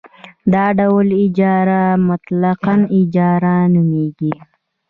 دا ډول اجاره مطلقه اجاره نومېږي